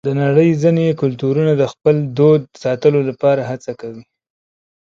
د نړۍ ځینې کلتورونه د خپل دود ساتلو لپاره هڅه کوي.